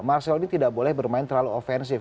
marcel ini tidak boleh bermain terlalu offensif